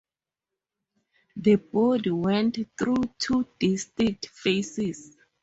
The body went through two distinct phases.